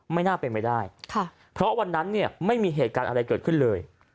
ไม่น่าเป็นไปได้ค่ะเพราะวันนั้นเนี่ยไม่มีเหตุการณ์อะไรเกิดขึ้นเลย